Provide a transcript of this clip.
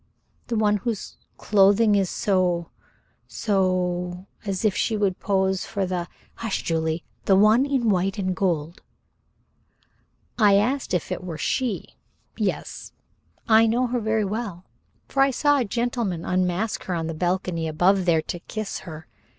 "The one whose clothing is so so as if she would pose for the " "Hush, Julie. The one in white and gold." "I asked if it were she. Yes, I know her very well, for I saw a gentleman unmask her on the balcony above there, to kiss her.